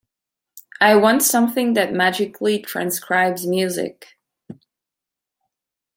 I want something that magically transcribes music.